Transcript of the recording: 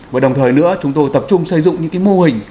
và đồng thời nữa chúng tôi tập trung sử dụng những mô hình